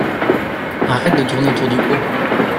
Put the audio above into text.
Arrête de tourner autour du pot!